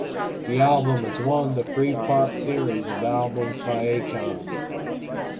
The album is one of the three part series of albums by Akon.